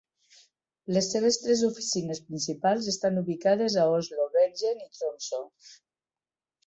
Les seves tres oficines principals estan ubicades a Oslo, Bergen i Tromsø.